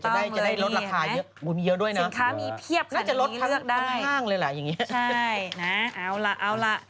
จะได้ลดราคาเยอะมีเยอะด้วยนะน่าจะลดทั้งห้างเลยล่ะอย่างนี้ใช่นะเอาล่ะเอาล่ะ